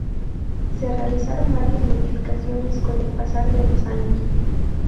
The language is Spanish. Se realizaron varias modificaciones con el pasar de los años.